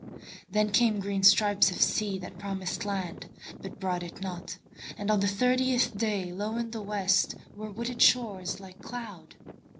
Then came green stripes of sea that promised landBut brought it not, and on the thirtieth dayLow in the West were wooded shores like cloud.